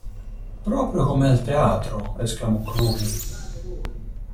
Proprio come al teatro, esclamò Cruni.